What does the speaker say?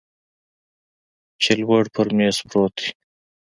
چې لوړ پر میز پروت دی